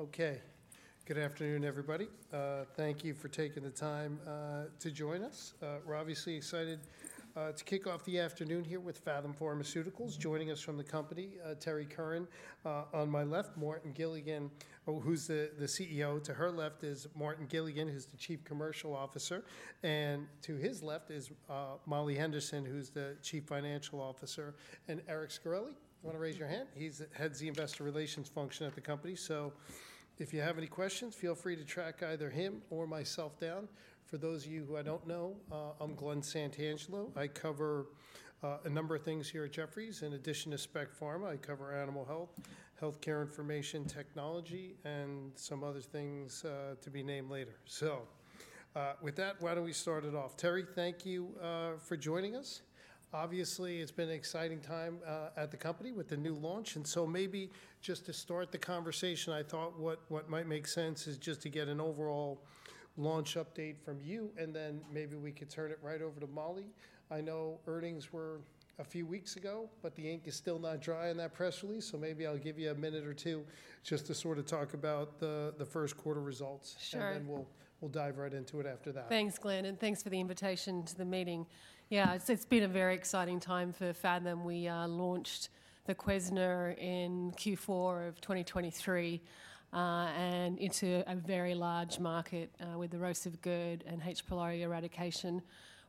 Okay. Good afternoon, everybody. Thank you for taking the time to join us. We're obviously excited to kick off the afternoon here with Phathom Pharmaceuticals. Joining us from the company, Terrie Curran, on my left, Martin Gilligan. Oh, who's the CEO. To her left is Martin Gilligan, who's the Chief Commercial Officer, and to his left is Molly Henderson, who's the Chief Financial Officer, and Eric Sciorilli. You want to raise your hand? He heads the investor relations function at the company. So if you have any questions, feel free to track either him or myself down. For those of you who I don't know, I'm Glen Santangelo. I cover a number of things here at Jefferies. In addition to spec pharma, I cover animal health, healthcare information technology, and some other things to be named later. So, with that, why don't we start it off? Terrie, thank you for joining us. Obviously, it's been an exciting time at the company with the new launch, and so maybe just to start the conversation, I thought what might make sense is just to get an overall launch update from you, and then maybe we could turn it right over to Molly. I know earnings were a few weeks ago, but the ink is still not dry on that press release, so maybe I'll give you a minute or two just to sort of talk about the first quarter results. Sure. Then we'll dive right into it after that. Thanks, Glen, and thanks for the invitation to the meeting. Yeah, it's been a very exciting time for Phathom. We launched the VOQUEZNA in Q4 of 2023, and into a very large market, with erosive GERD and H. pylori eradication.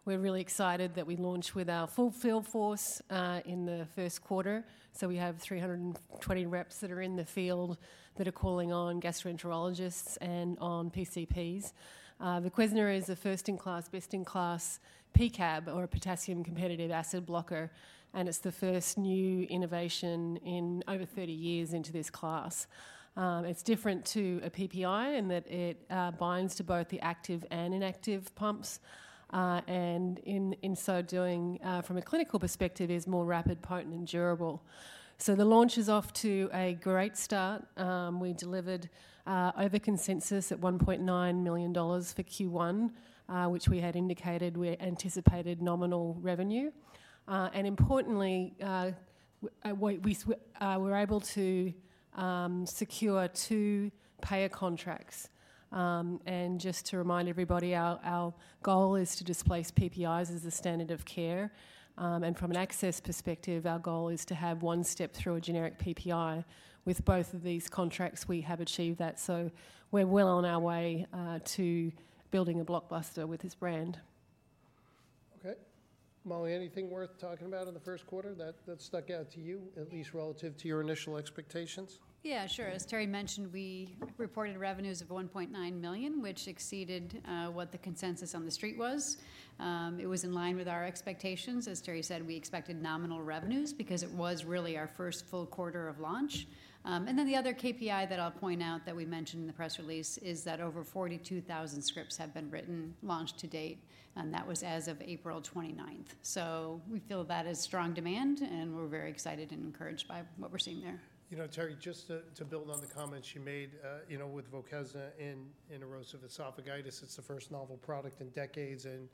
We're really excited that we launched with our full field force, in the first quarter. So we have 320 reps that are in the field that are calling on gastroenterologists and on PCPs. The VOQUEZNA is a first-in-class, best-in-class PCAB, or a potassium competitive acid blocker, and it's the first new innovation in over 30 years into this class. It's different to a PPI in that it binds to both the active and inactive pumps, and in so doing, from a clinical perspective, is more rapid, potent, and durable. So the launch is off to a great start. We delivered over consensus at $1.9 million for Q1, which we had indicated we anticipated nominal revenue. And importantly, we were able to secure two payer contracts. And just to remind everybody, our goal is to displace PPIs as a standard of care. And from an access perspective, our goal is to have one step through a generic PPI. With both of these contracts, we have achieved that, so we're well on our way to building a blockbuster with this brand. Okay. Molly, anything worth talking about in the first quarter that stuck out to you, at least relative to your initial expectations? Yeah, sure. As Terrie mentioned, we reported revenues of $1.9 million, which exceeded what the consensus on the street was. It was in line with our expectations. As Terrie said, we expected nominal revenues because it was really our first full quarter of launch. And then the other KPI that I'll point out that we mentioned in the press release is that over 42,000 scripts have been written, launched to date, and that was as of April 29th. So we feel that is strong demand, and we're very excited and encouraged by what we're seeing there. You know, Terrie, just to build on the comments you made, you know, with VOQUEZNA in erosive esophagitis, it's the first novel product in decades, and,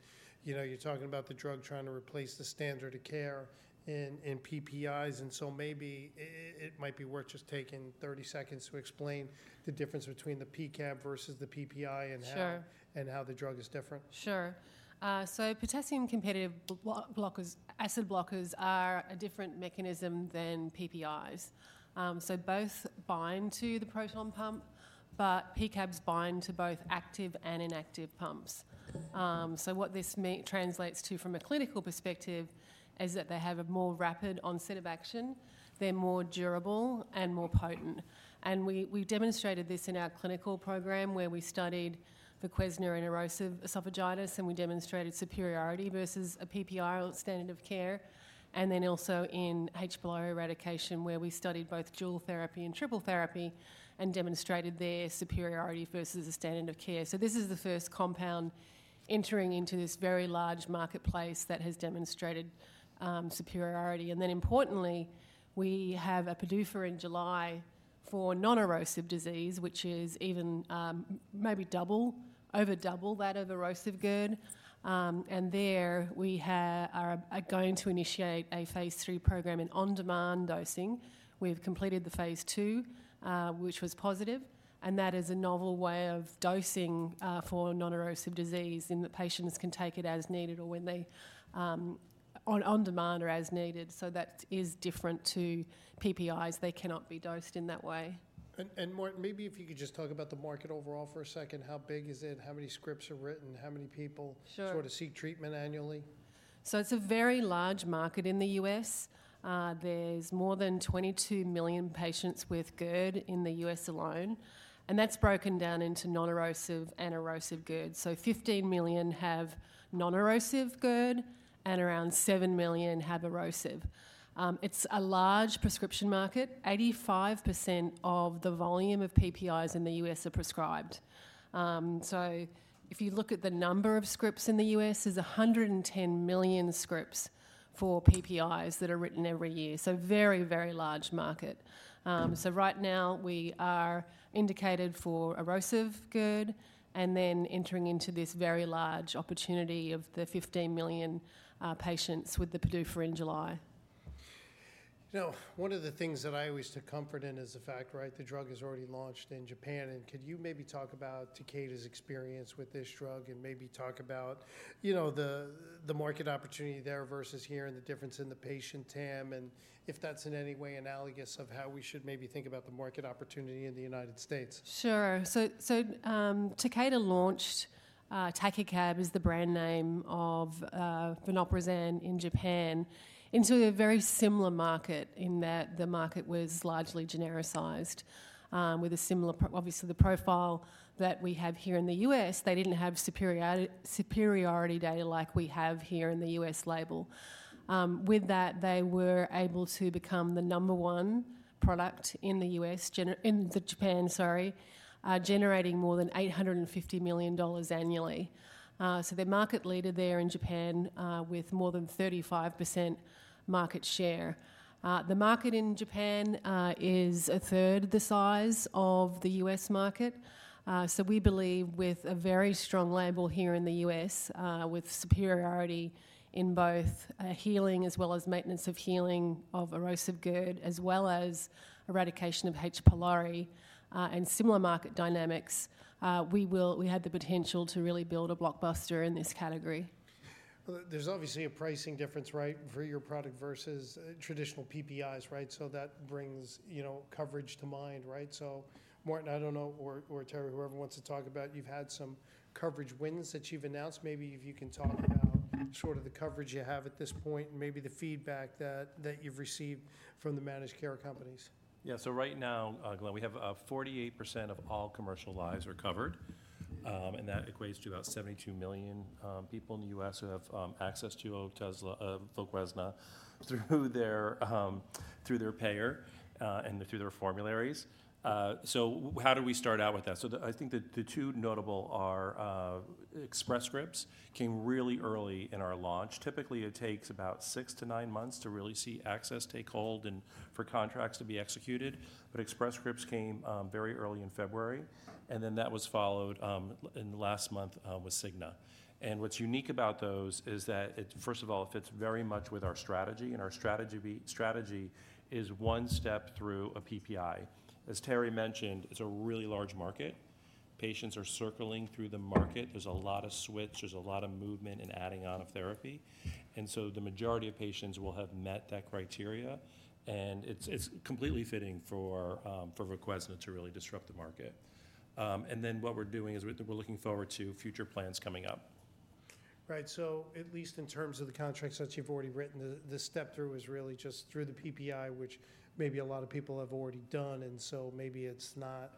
you know, you're talking about the drug trying to replace the standard of care in PPIs. And so maybe it might be worth just taking 30 seconds to explain the difference between the PCAB versus the PPI and how- Sure. and how the drug is different. Sure. So potassium competitive acid blockers are a different mechanism than PPIs. So both bind to the proton pump, but PCABs bind to both active and inactive pumps. So what this translates to from a clinical perspective is that they have a more rapid onset of action, they're more durable and more potent. And we demonstrated this in our clinical program, where we studied VOQUEZNA in erosive esophagitis, and we demonstrated superiority versus a PPI standard of care, and then also in H. pylori eradication, where we studied both dual therapy and triple therapy and demonstrated their superiority versus the standard of care. So this is the first compound entering into this very large marketplace that has demonstrated superiority. And then importantly, we have a PDUFA in July for non-erosive disease, which is even, maybe double, over double that of erosive GERD. And there we are going to initiate a phase three program in on-demand dosing. We've completed the phase two, which was positive, and that is a novel way of dosing, for non-erosive disease in that patients can take it as needed or when they on demand or as needed. So that is different to PPIs. They cannot be dosed in that way. And, Martin, maybe if you could just talk about the market overall for a second. How big is it? How many scripts are written? How many people- Sure... sort of seek treatment annually? So it's a very large market in the U.S. There's more than 22 million patients with GERD in the U.S. alone, and that's broken down into non-erosive and erosive GERD. So 15 million have non-erosive GERD, and around 7 million have erosive. It's a large prescription market. 85% of the volume of PPIs in the U.S. are prescribed. So if you look at the number of scripts in the U.S., there's 110 million scripts for PPIs that are written every year, so very, very large market. So right now, we are indicated for erosive GERD and then entering into this very large opportunity of the 15 million patients with the PDUFA in July.... You know, one of the things that I always took comfort in is the fact, right, the drug is already launched in Japan, and could you maybe talk about Takeda's experience with this drug and maybe talk about, you know, the market opportunity there versus here, and the difference in the patient TAM, and if that's in any way analogous of how we should maybe think about the market opportunity in the United States? Sure. So, Takeda launched, TAKECAB is the brand name of vonoprozan in Japan, into a very similar market in that the market was largely genericized, with a similar, obviously, the profile that we have here in the U.S. They didn't have superiority data like we have here in the U.S. label. With that, they were able to become the number one product in Japan, generating more than $850 million annually. So they're market leader there in Japan, with more than 35% market share. The market in Japan is a third the size of the U.S. market. So, we believe with a very strong label here in the U.S., with superiority in both healing as well as maintenance of healing of erosive GERD, as well as eradication of H. pylori, and similar market dynamics. We have the potential to really build a blockbuster in this category. Well, there's obviously a pricing difference, right, for your product versus traditional PPIs, right? So that brings, you know, coverage to mind, right? So Martin, I don't know, or Terrie, whoever wants to talk about it, you've had some coverage wins that you've announced. Maybe if you can talk about sort of the coverage you have at this point, and maybe the feedback that you've received from the managed care companies. Yeah. So right now, Glen, we have 48% of all commercial lives are covered. And that equates to about 72 million people in the U.S. who have access to VOQUEZNA through their through their payer and through their formularies. So how do we start out with that? So the, I think the two notable are Express Scripts came really early in our launch. Typically, it takes about six to nine months to really see access take hold and for contracts to be executed, but Express Scripts came very early in February, and then that was followed in the last month with Cigna. And what's unique about those is that it... First of all, it fits very much with our strategy, and our strategy strategy is one step through a PPI. As Terrie mentioned, it's a really large market. Patients are circling through the market. There's a lot of switch, there's a lot of movement and adding on of therapy, and so the majority of patients will have met that criteria, and it's completely fitting for VOQUEZNA to really disrupt the market. And then what we're doing is we're looking forward to future plans coming up. Right. So at least in terms of the contracts that you've already written, the step-through was really just through the PPI, which maybe a lot of people have already done, and so maybe it's not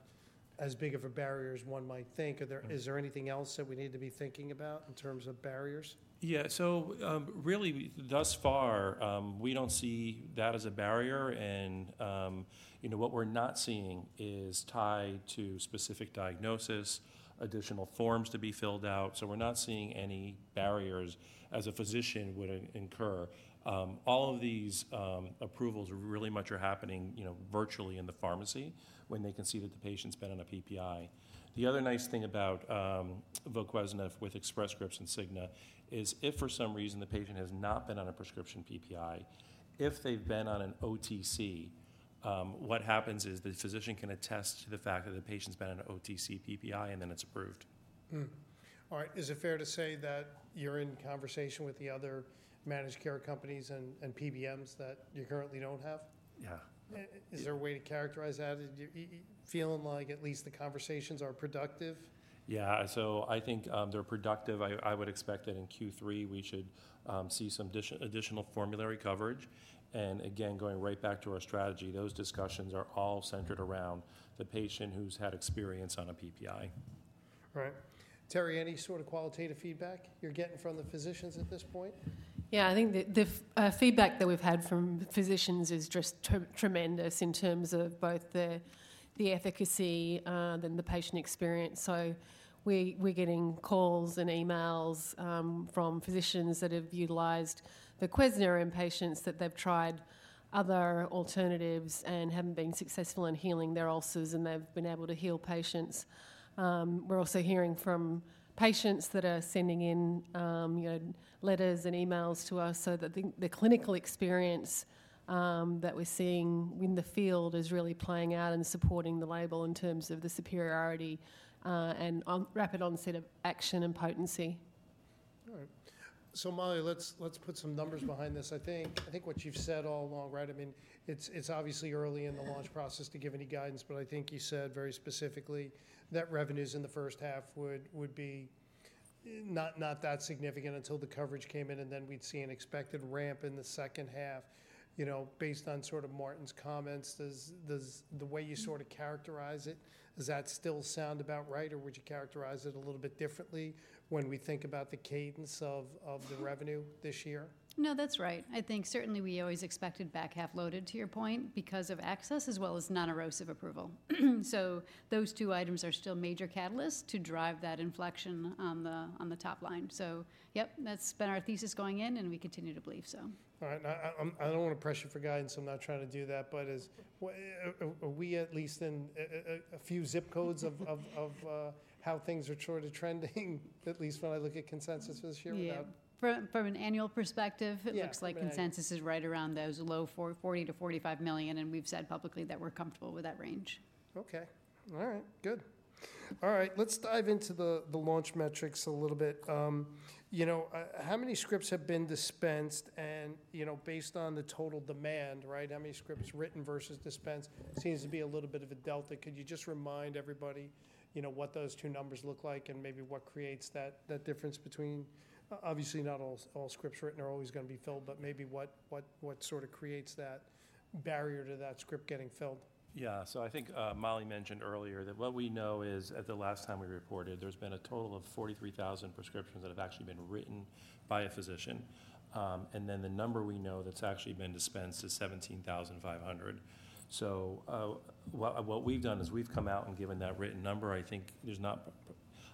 as big of a barrier as one might think. Are there- Mm. Is there anything else that we need to be thinking about in terms of barriers? Yeah, so, really, thus far, we don't see that as a barrier and, you know, what we're not seeing is tied to specific diagnosis, additional forms to be filled out. So we're not seeing any barriers as a physician would incur. All of these approvals really much are happening, you know, virtually in the pharmacy when they can see that the patient's been on a PPI. The other nice thing about VOQUEZNA with Express Scripts and Cigna is if for some reason the patient has not been on a prescription PPI, if they've been on an OTC, what happens is the physician can attest to the fact that the patient's been on an OTC PPI, and then it's approved. Hmm. All right. Is it fair to say that you're in conversation with the other managed care companies and PBMs that you currently don't have? Yeah. Is there a way to characterize that? Do you feeling like at least the conversations are productive? Yeah. So I think they're productive. I would expect that in Q3 we should see some additional formulary coverage. And again, going right back to our strategy, those discussions are all centered around the patient who's had experience on a PPI. Right. Terrie, any sort of qualitative feedback you're getting from the physicians at this point? Yeah, I think the feedback that we've had from physicians is just tremendous in terms of both the efficacy and the patient experience. So we're getting calls and emails from physicians that have utilized the VOQUEZNA in patients, that they've tried other alternatives and haven't been successful in healing their ulcers, and they've been able to heal patients. We're also hearing from patients that are sending in you know, letters and emails to us. So the clinical experience that we're seeing in the field is really playing out and supporting the label in terms of the superiority and rapid onset of action and potency. All right. So Molly, let's put some numbers behind this. I think what you've said all along, right? I mean, it's obviously early in the launch process to give any guidance, but I think you said very specifically that revenues in the first half would be not that significant until the coverage came in, and then we'd see an expected ramp in the second half. You know, based on sort of Martin's comments, does... The way you sort of characterize it, does that still sound about right, or would you characterize it a little bit differently when we think about the cadence of the revenue this year? No, that's right. I think certainly we always expected back half loaded, to your point, because of access as well as non-erosive approval. So those two items are still major catalysts to drive that inflection on the, on the top line. So yep, that's been our thesis going in, and we continue to believe so. All right. Now, I don't want to pressure you for guidance, so I'm not trying to do that, but are we at least in a few zip codes of how things are sort of trending? At least when I look at consensus for this year without-... from an annual perspective- Yeah, right. It looks like consensus is right around those low 40s, $40 million-$45 million, and we've said publicly that we're comfortable with that range. Okay. All right, good. All right, let's dive into the launch metrics a little bit. You know, how many scripts have been dispensed and, you know, based on the total demand, right, how many scripts written versus dispensed seems to be a little bit of a delta. Could you just remind everybody, you know, what those two numbers look like and maybe what creates that difference between... Obviously, not all scripts written are always gonna be filled, but maybe what sort of creates that barrier to that script getting filled? Yeah. So I think, Molly mentioned earlier that what we know is, at the last time we reported, there's been a total of 43,000 prescriptions that have actually been written by a physician. And then the number we know that's actually been dispensed is 17,500. So, what we've done is we've come out and given that written number. I think there's not.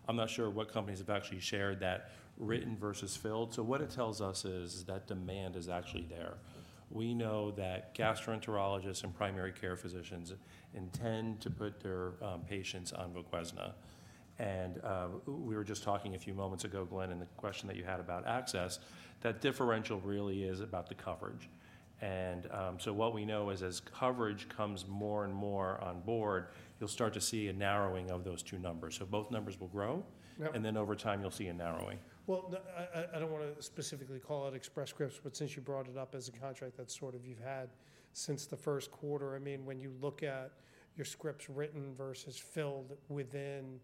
I'm not sure what companies have actually shared that written versus filled. So what it tells us is that demand is actually there. We know that gastroenterologists and primary care physicians intend to put their patients on VOQUEZNA. And we were just talking a few moments ago, Glen, and the question that you had about access, that differential really is about the coverage. And, so what we know is, as coverage comes more and more on board, you'll start to see a narrowing of those two numbers. So both numbers will grow- Yep. And then over time, you'll see a narrowing. Well, I don't wanna specifically call out Express Scripts, but since you brought it up as a contract, that's sort of you've had since the first quarter. I mean, when you look at your scripts written versus filled within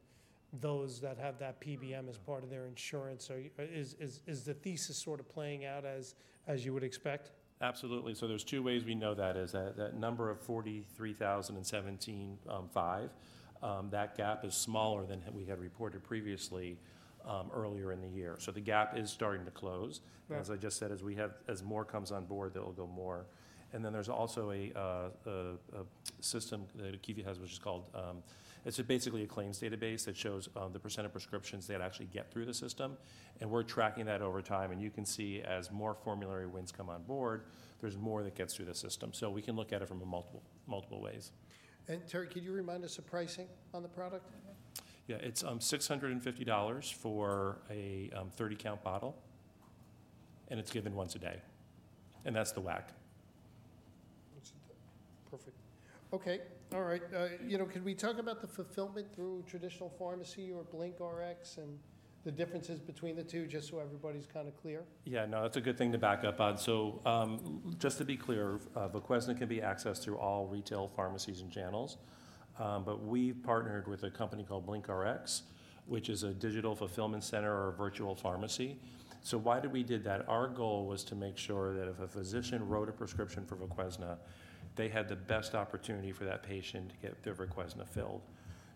those that have that PBM as part of their insurance, are you is the thesis sort of playing out as you would expect? Absolutely. So there's two ways we know that, is that, that number of 43,017.5 that gap is smaller than we had reported previously, earlier in the year. So the gap is starting to close. Yep. As I just said, as we have as more comes on board, that'll go more. And then there's also a, a system that IQVIA has, which is called... It's basically a claims database that shows the percent of prescriptions that actually get through the system, and we're tracking that over time. And you can see, as more formulary wins come on board, there's more that gets through the system. So we can look at it from a multiple, multiple ways. Terrie, could you remind us the pricing on the product? Yeah. It's $650 for a 30-count bottle, and it's given once a day, and that's the WAC. Once a day. Perfect. Okay. All right, you know, can we talk about the fulfillment through traditional pharmacy or BlinkRx and the differences between the two, just so everybody's kind of clear? Yeah, no, that's a good thing to back up on. So, just to be clear, VOQUEZNA can be accessed through all retail pharmacies and channels. But we've partnered with a company called BlinkRx, which is a digital fulfillment center or a virtual pharmacy. So why did we did that? Our goal was to make sure that if a physician wrote a prescription for VOQUEZNA, they had the best opportunity for that patient to get their VOQUEZNA filled.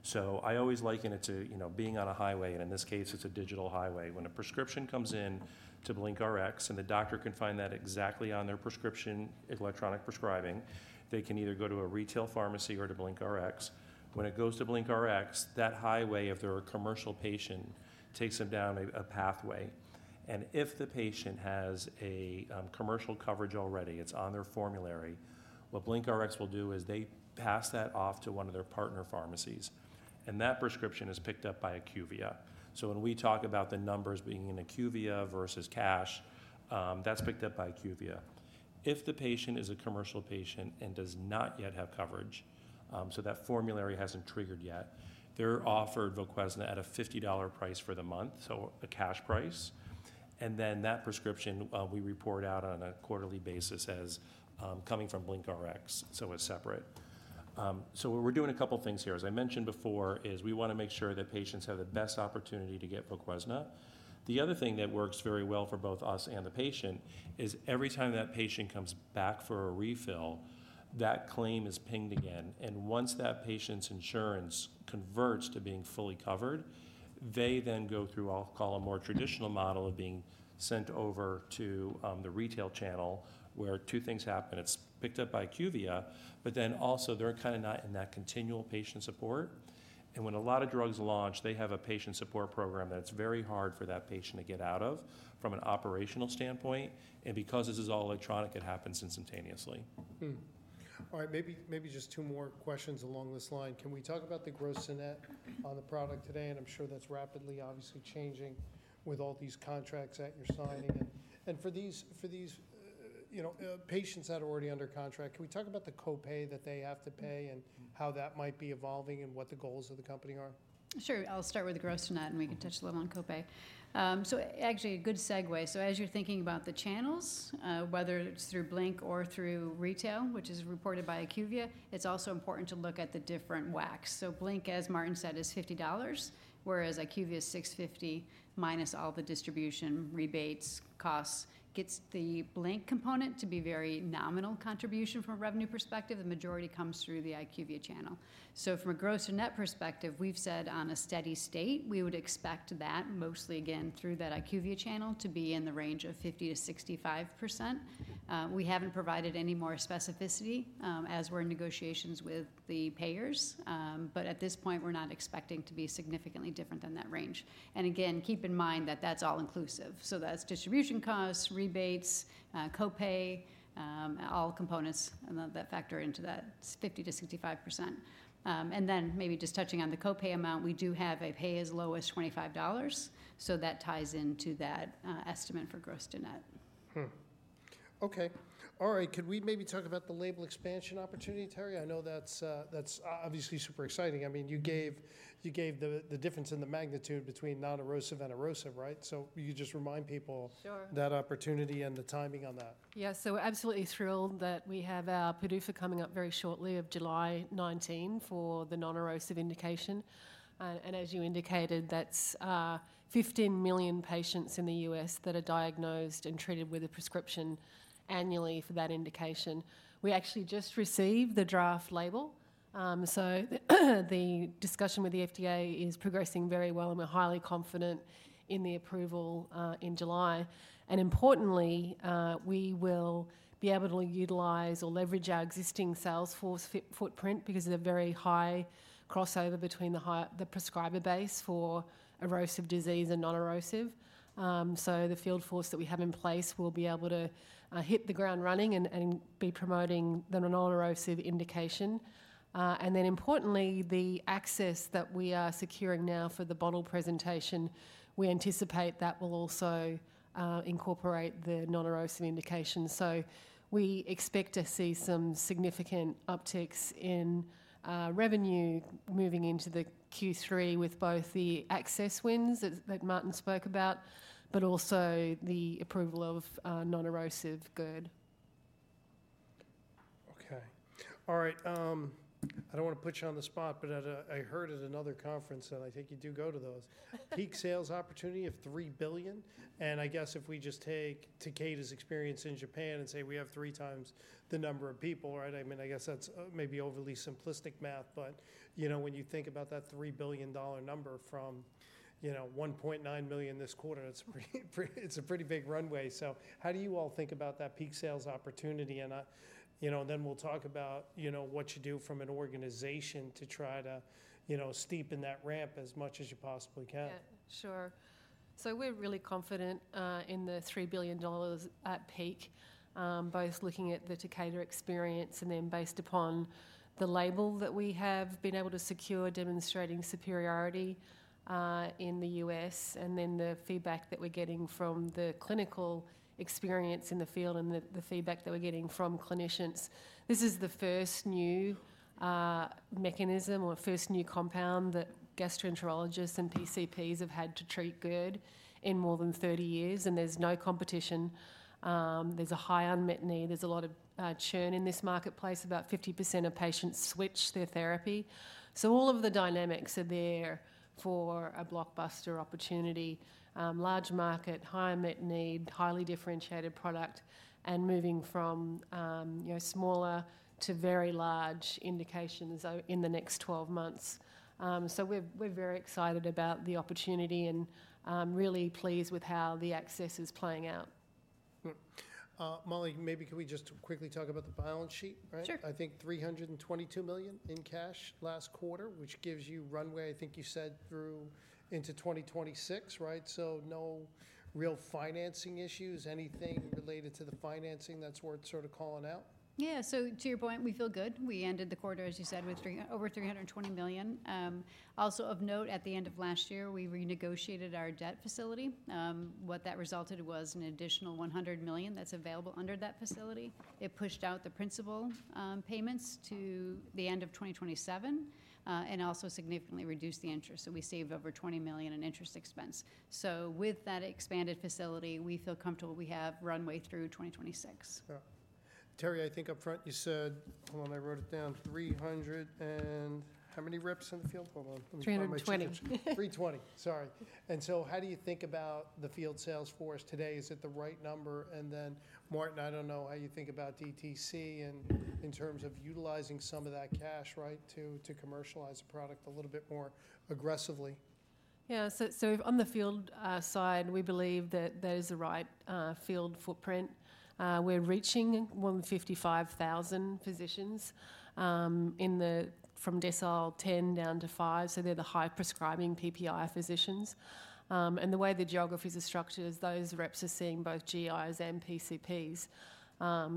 So I always liken it to, you know, being on a highway, and in this case, it's a digital highway. When a prescription comes in to BlinkRx, and the doctor can find that exactly on their prescription, electronic prescribing, they can either go to a retail pharmacy or to BlinkRx. When it goes to BlinkRx, that highway, if they're a commercial patient, takes them down a pathway. And if the patient has a commercial coverage already, it's on their formulary, what BlinkRx will do is they pass that off to one of their partner pharmacies, and that prescription is picked up by IQVIA. So when we talk about the numbers being in IQVIA versus cash, that's picked up by IQVIA. If the patient is a commercial patient and does not yet have coverage, so that formulary hasn't triggered yet, they're offered VOQUEZNA at a $50 price for the month, so a cash price. And then that prescription, we report out on a quarterly basis as coming from BlinkRx, so it's separate. So we're doing a couple things here, as I mentioned before, is we wanna make sure that patients have the best opportunity to get VOQUEZNA. The other thing that works very well for both us and the patient is every time that patient comes back for a refill, that claim is pinged again. And once that patient's insurance converts to being fully covered, they then go through, I'll call a more traditional model of being sent over to, the retail channel, where two things happen. It's picked up by IQVIA, but then also, they're kind of not in that continual patient support. And when a lot of drugs launch, they have a patient support program that's very hard for that patient to get out of from an operational standpoint. And because this is all electronic, it happens instantaneously. Hmm. All right, maybe, maybe just two more questions along this line. Can we talk about the gross to net on the product today? And I'm sure that's rapidly, obviously, changing with all these contracts that you're signing. And for these, you know, patients that are already under contract, can we talk about the copay that they have to pay and how that might be evolving and what the goals of the company are? Sure. I'll start with the gross to net, and we can touch a little on copay. So actually, a good segue. So as you're thinking about the channels, whether it's through Blink or through retail, which is reported by IQVIA, it's also important to look at the different WACs. So Blink, as Martin said, is $50, whereas IQVIA is $650 minus all the distribution, rebates, costs, gets the Blink component to be very nominal contribution from a revenue perspective. The majority comes through the IQVIA channel. So from a gross to net perspective, we've said on a steady state, we would expect that mostly again, through that IQVIA channel, to be in the range of 50%-65%. We haven't provided any more specificity, as we're in negotiations with the payers. But at this point, we're not expecting to be significantly different than that range. And again, keep in mind that that's all inclusive, so that's distribution costs, rebates, copay, all components that factor into that 50%-65%. And then maybe just touching on the copay amount, we do have a pay as low as $25, so that ties into that estimate for gross to net. Okay. All right, could we maybe talk about the label expansion opportunity, Terrie? I know that's obviously super exciting. I mean, you gave the difference in the magnitude between non-erosive and erosive, right? So will you just remind people- Sure. that opportunity and the timing on that. Yeah, so we're absolutely thrilled that we have our PDUFA coming up very shortly of July 19, for the non-erosive indication. And as you indicated, that's 15 million patients in the U.S. that are diagnosed and treated with a prescription annually for that indication. We actually just received the draft label. So the discussion with the FDA is progressing very well, and we're highly confident in the approval in July. And importantly, we will be able to utilize or leverage our existing sales force footprint, because of the very high crossover between the prescriber base for erosive disease and non-erosive. So the field force that we have in place will be able to hit the ground running and be promoting the non-erosive indication. And then importantly, the access that we are securing now for the bottle presentation, we anticipate that will also incorporate the non-erosive indication. So we expect to see some significant upticks in revenue moving into the Q3 with both the access wins that Martin spoke about, but also the approval of non-erosive GERD. Okay. All right, I don't wanna put you on the spot, but I heard at another conference, and I think you do go to those—peak sales opportunity of $3 billion. And I guess if we just take Takeda's experience in Japan and say we have three times the number of people, right? I mean, I guess that's maybe overly simplistic math, but, you know, when you think about that $3 billion number from, you know, $1.9 million this quarter, it's pretty—it's a pretty big runway. So how do you all think about that peak sales opportunity? And, you know, then we'll talk about, you know, what you do from an organization to try to, you know, steepen that ramp as much as you possibly can. Yeah. Sure. So we're really confident in the $3 billion at peak. Both looking at the Takeda experience and then based upon the label that we have been able to secure, demonstrating superiority in the U.S., and then the feedback that we're getting from the clinical experience in the field, and the feedback that we're getting from clinicians. This is the first new mechanism or first new compound that gastroenterologists and PCPs have had to treat GERD in more than 30 years, and there's no competition. There's a high unmet need. There's a lot of churn in this marketplace. About 50% of patients switch their therapy. So all of the dynamics are there for a blockbuster opportunity: large market, high unmet need, highly differentiated product, and moving from, you know, smaller to very large indications in the next 12 months. So we're, we're very excited about the opportunity and, really pleased with how the access is playing out. Molly, maybe could we just quickly talk about the balance sheet, right? Sure. I think $322 million in cash last quarter, which gives you runway, I think you said, through into 2026, right? So no real financing issues. Anything related to the financing that's worth sort of calling out? Yeah. So to your point, we feel good. We ended the quarter, as you said, with over $320 million. Also of note, at the end of last year, we renegotiated our debt facility. What that resulted was an additional $100 million that's available under that facility. It pushed out the principal payments to the end of 2027, and also significantly reduced the interest. So we saved over $20 million in interest expense. So with that expanded facility, we feel comfortable we have runway through 2026. Yeah. Terrie, I think up front you said... Hold on, I wrote it down. 300 and how many reps in the field? Hold on, let me find my sheets. 320. 320, sorry. And so how do you think about the field sales force today? Is it the right number? And then, Martin, I don't know how you think about DTC in terms of utilizing some of that cash, right, to commercialize the product a little bit more aggressively. Yeah. So on the field side, we believe that that is the right field footprint. We're reaching 155,000 physicians in the—from decile 10 down to five, so they're the high-prescribing PPI physicians. And the way the geographies are structured is those reps are seeing both GIs and PCPs.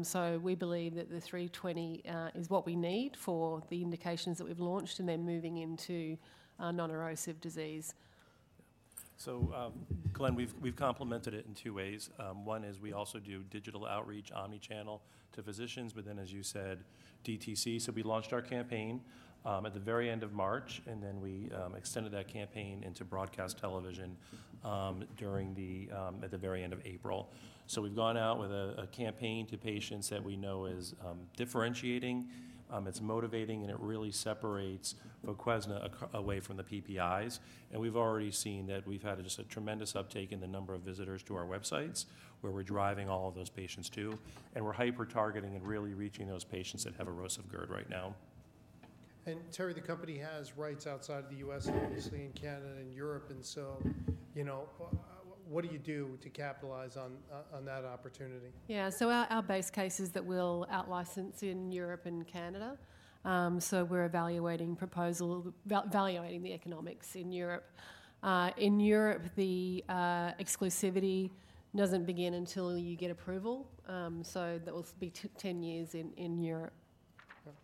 So we believe that the 320 is what we need for the indications that we've launched and then moving into a non-erosive disease. So, Glen, we've complemented it in two ways. One is we also do digital outreach omni-channel to physicians, but then, as you said, DTC. So we launched our campaign at the very end of March, and then we extended that campaign into broadcast television during, at the very end of April. So we've gone out with a campaign to patients that we know is differentiating, it's motivating, and it really separates VOQUEZNA away from the PPIs. And we've already seen that we've had just a tremendous uptake in the number of visitors to our websites, where we're driving all of those patients to. And we're hyper-targeting and really reaching those patients that have erosive GERD right now. Terrie, the company has rights outside the U.S., obviously, in Canada and Europe, and so, you know, on that opportunity? Yeah. So our base case is that we'll outlicense in Europe and Canada. So we're evaluating the economics in Europe. In Europe, exclusivity doesn't begin until you get approval. So that will be 10 years in Europe. Okay.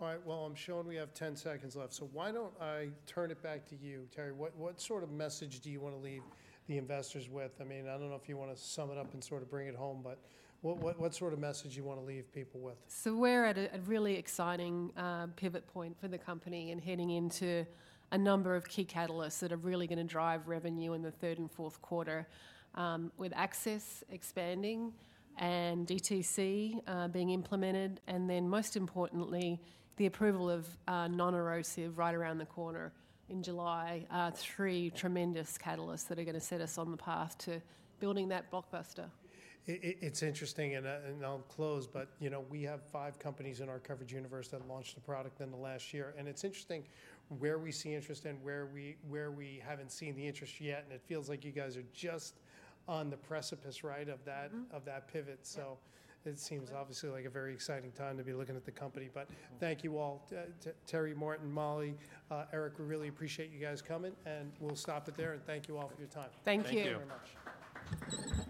All right, well, I'm shown we have 10 seconds left, so why don't I turn it back to you, Terrie. What, what sort of message do you wanna leave the investors with? I mean, I don't know if you wanna sum it up and sort of bring it home, but what, what, what sort of message you wanna leave people with? So we're at a really exciting pivot point for the company and heading into a number of key catalysts that are really gonna drive revenue in the third and fourth quarter. With access expanding and DTC being implemented, and then most importantly, the approval of non-erosive right around the corner in July, three tremendous catalysts that are gonna set us on the path to building that blockbuster. It's interesting, and I'll close, but, you know, we have five companies in our coverage universe that launched a product in the last year. It's interesting where we see interest and where we haven't seen the interest yet, and it feels like you guys are just on the precipice, right, of that- Mm-hmm... of that pivot. So it seems, obviously, like a very exciting time to be looking at the company. But thank you all, Terrie, Martin, Molly, Eric, we really appreciate you guys coming, and we'll stop it there, and thank you all for your time. Thank you. Thank you. Thank you very much.